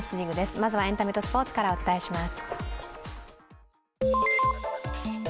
まずはエンタメとスポーツからお伝えします。